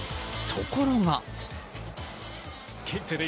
ところが。